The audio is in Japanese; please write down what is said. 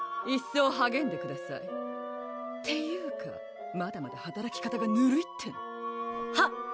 いっそうはげんでくださいっていうかまだまだはたらき方がぬるいってのはっ！